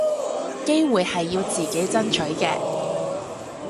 機會係要自己爭取嘅